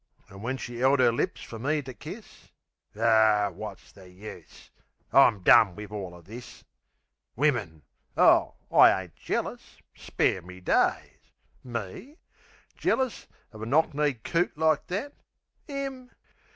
An' when she 'eld 'er lips fer me to kiss... Ar, wot's the use? I'm done wiv all o' this! Wimmin!...Oh, I ain't jealous! Spare me days! Me? Jealous uv a knock kneed coot like that! 'Im!